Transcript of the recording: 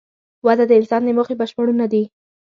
وده د انسان د موخې بشپړونه ده.